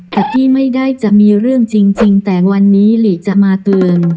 แต่พี่ไม่ได้จะมีเรื่องจริงแต่วันนี้หลีจะมาเตือน